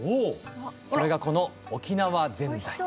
それがこの「沖縄ぜんざい」。